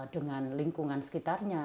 dengan lingkungan sekitarnya